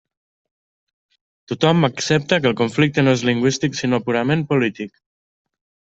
Tothom accepta que el conflicte no és lingüístic sinó purament polític.